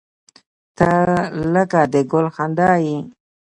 • ته لکه د ګل خندا یې.